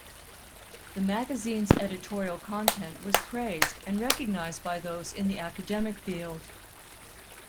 The magazine's editorial content was praised and recognized by those in the academic field.